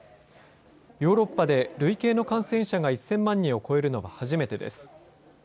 ヨーロッパで累計の感染者が１０００万人を超えるのは初めてです。